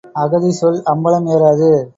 அகதி சொல் அம்பலம் ஏறாது.